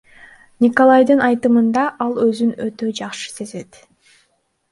Николайдын айтымында, ал өзүн өтө жакшы сезет.